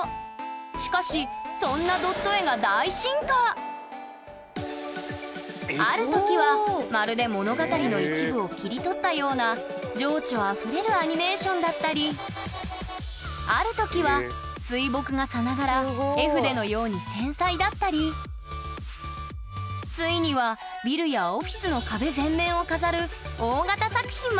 しかしそんなドット絵がある時はまるで物語の一部を切り取ったような情緒あふれるアニメーションだったりある時は水墨画さながら絵筆のように繊細だったりついにはビルやオフィスのまで誕生。